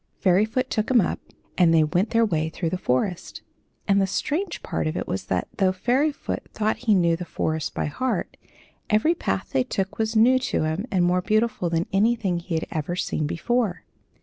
Fairyfoot took him up, and they went their way through the forest. And the strange part of it was that though Fairyfoot thought he knew ill the forest by heart, every path they took was new to him, and more beautiful than anything he had ever seen before.